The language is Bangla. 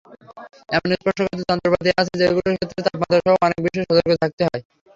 এমন স্পর্শকাতর যন্ত্রপাতি আছে, যেগুলোর ক্ষেত্রে তাপমাত্রাসহ অনেক বিষয়ে সতর্ক থাকতে হয়।